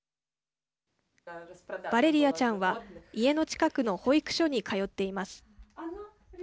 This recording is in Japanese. バレリアちゃんは家の近くの保育所に通っています。